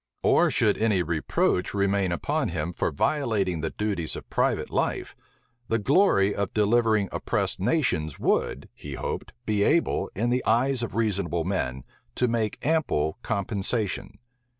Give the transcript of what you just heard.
Or should any reproach remain upon him for violating the duties of private life, the glory of delivering oppressed nations would, he hoped, be able, in the eyes of reasonable men, to make ample compensation.